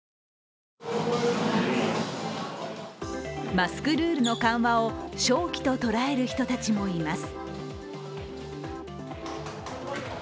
マスクルールの緩和を商機と捉える人たちもいます。